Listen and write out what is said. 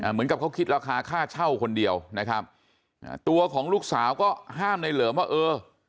เหมือนกับเขาคิดราคาค่าเช่าคนเดียวนะครับตัวของลูกสาวก็ห้ามในเหลิมว่าเออ